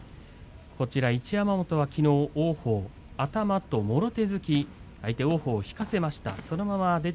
一山本はきのう王鵬頭ともろ手突きで相手を引かせました。